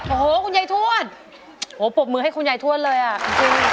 โอ้โหคุณยายถ้วนปบมือให้คุณยายถ้วนเลยอะขอบคุณ